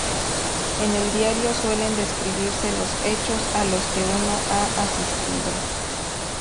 En el diario suelen describirse los hechos a los que uno ha asistido.